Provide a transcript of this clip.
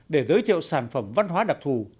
để giới thiệu sản phẩm văn hóa đặc thù